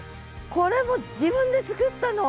これも自分で作ったの！？